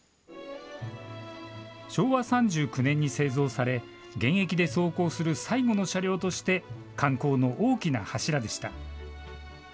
昭和３９年に製造され現役で走行する最後の車両として観光の大きな柱でした。